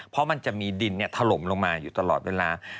เพราะมันจะมีดินถล่มลงมาอยู่ตลอดเวลา